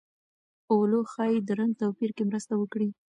اولو ښايي د رنګ توپیر کې مرسته وکړي.